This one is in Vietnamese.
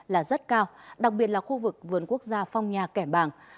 là rất cao đặc biệt là khu vực vườn quốc gia phong nha kẻ bàng